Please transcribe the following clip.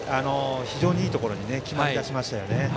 非常にいいところに決まりだしましたね。